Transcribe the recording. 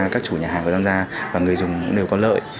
các chủ nhà hàng của giamgia và người dùng cũng đều có lợi